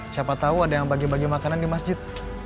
siapa tahu ada yang bagi bagi makanan di masjid